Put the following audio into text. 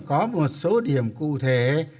có một số điểm cụ thể